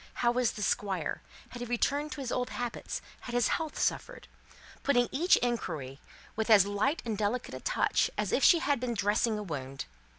How was the Squire? Had he returned to his old habits? Had his health suffered? putting each inquiry with as light and delicate a touch as if she had been dressing a wound.